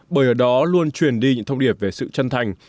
bởi ở đó luôn truyền đi những thông điệp về sự chân thành